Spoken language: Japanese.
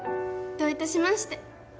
どういたしまして。